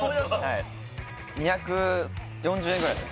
はい２４０円ぐらいです